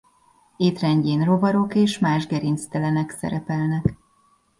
Étrendjén rovarok és más gerinctelenek szerepelnek.